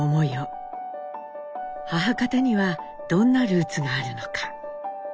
母方にはどんなルーツがあるのか。